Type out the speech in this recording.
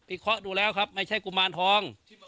เคราะห์ดูแล้วครับไม่ใช่กุมารทอง